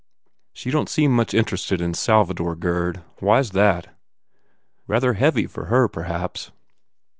"She don t seem so much interested in Sal vador, Gurd. Why s that?" "Rather heavy for her, perhaps."